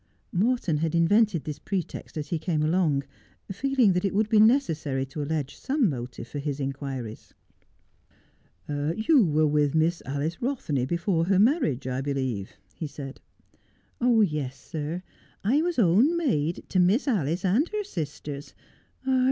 Morton had invented this pretext as he came along, feeling that it would be necessary to allege some motive for his inquiries. ' You were with Miss Alice Rothney before her marriage, I believe ?' he said. ' Yes, sir, I was own maid lo Miss Alice and her sisters.